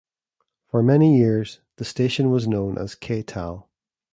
For many years, the station was known as K-Tal.